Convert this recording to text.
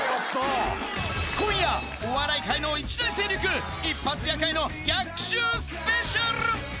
今夜、お笑い界の一大勢力、一発屋会の逆襲スペシャル。